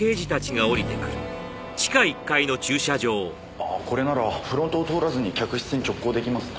ああこれならフロントを通らずに客室に直行できますね。